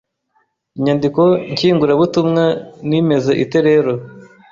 inyandiko nshyingurabutumwa nimeze ite rero